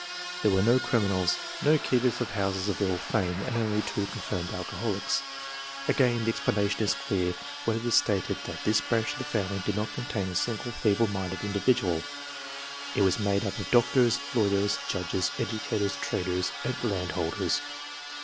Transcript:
There were no criminals, no keepers of houses of ill fame, and only two confirmed alcoholics. Again the explanation is clear when it is stated that this branch of the family did not contain a single feeble minded individual. It was made up of doctors, lawyers, judges, educators, traders, and landholders.